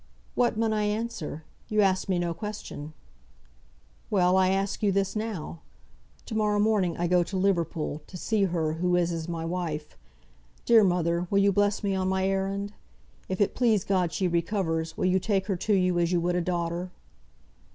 "What mun I answer? You asked me no question." "Well! I ask you this now. To morrow morning I go to Liverpool to see her, who is as my wife. Dear mother! will you bless me on my errand? If it please God she recovers, will you take her to you as you would a daughter?"